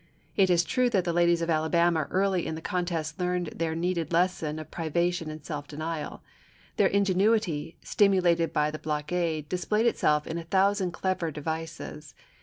It is true that the ladies of Alabama early in the contest learned their needed lesson of privation and self denial. Their ingenuity, stimulated by the block ade, displayed itself in a thousand clever devices.